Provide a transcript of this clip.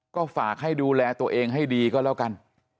ก็ฝากให้ดูแลตัวเองให้ดีก็แล้วกัน